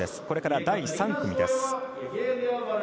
これから第３組です。